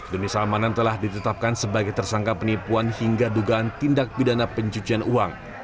doni salmanan telah ditetapkan sebagai tersangka penipuan hingga dugaan tindak pidana pencucian uang